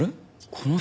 この人。